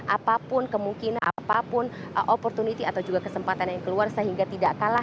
apapun kemungkinan apapun opportunity atau juga kesempatan yang keluar sehingga tidak kalah